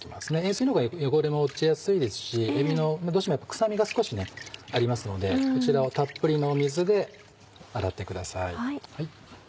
塩水のほうが汚れも落ちやすいですしえびのどうしても臭みが少しありますのでこちらをたっぷりの水で洗ってください。